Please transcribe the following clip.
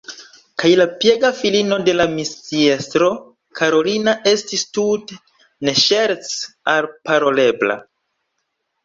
Kaj la piega filino de la misiestro, Karolina, estis tute ne ŝerce alparolebla.